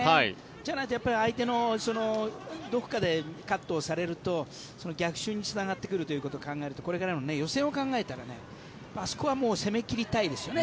じゃないと相手のどこかでカットされると逆襲につながってくるということを考えるとこれからの予選を考えたらあそこはもう攻め切りたいですよね